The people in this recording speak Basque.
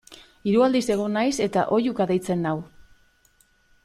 Hiru aldiz egon naiz eta oihuka deitzen nau.